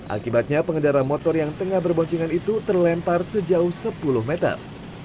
akibatnya pengendara motor yang tengah berboncengan itu terlempar sejauh sepuluh meter